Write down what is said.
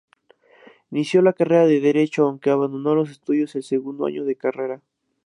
Inició la carrera de Derecho aunque abandonó los estudios el segundo año de carrera.